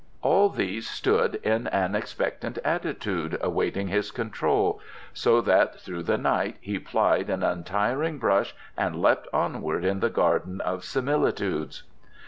All these stood in an expectant attitude awaiting his control, so that through the night he plied an untiring brush and leapt onward in the garden of similitudes.